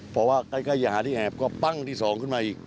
พอว่าใกล้อย่างหาที่แอบก็ปั๊้งที่สองชั่วมาอีก